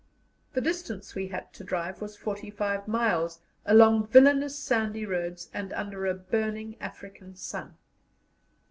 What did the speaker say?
The distance we had to drive was forty five miles, along villainous sandy roads and under a burning African sun.